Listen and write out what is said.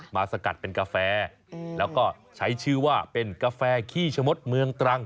สกัดเป็นกาแฟแล้วก็ใช้ชื่อว่าเป็นกาแฟขี้ชะมดเมืองตรัง